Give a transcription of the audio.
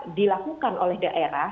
bisa dilakukan oleh daerah